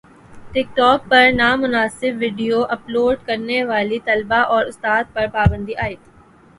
ٹک talk پر نامناسب video upload کرنے والی طالبہ اور استاد پر پابندی عائد